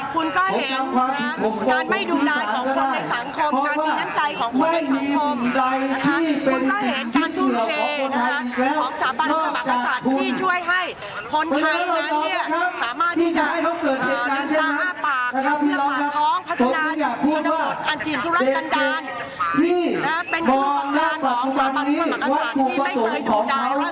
คุณก็เห็นนะครับการไม่ดูดายของคนในสังคมการมีน้ำใจของคนในสังคมนะครับคุณก็เห็นการทุ่มเทนะครับของสถาบันธุรกษัตริย์ที่ช่วยให้คนพิธีนั้นเนี่ยสามารถที่จะให้เขาเกิดเกิดงานอย่างนี้นะครับเพราะทุกคนอยากพูดว่าเด็กนี่บอกล่างกับสถาบันธุรกษัตริย์ที่ไม่เคยดูดายว่าสะดอดแต่ว่ามันโจมต